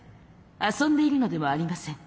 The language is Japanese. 遊んでいるのでもありません。